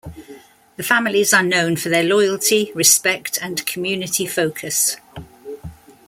The families are known for their loyalty, respect and community focus.